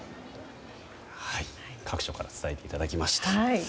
各所から伝えていただきました。